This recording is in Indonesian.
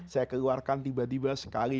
saya keluarkan tiba tiba sekali